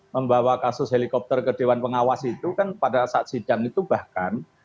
membawa kasus helikopter ke dewan pengawas itu kan pada saat sidang itu bahkan